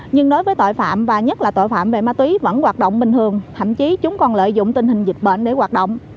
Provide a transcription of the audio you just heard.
nhưng đối với tội phạm và nhất là tội phạm về ma túy vẫn hoạt động bình thường thậm chí chúng còn lợi dụng tình hình dịch bệnh để hoạt động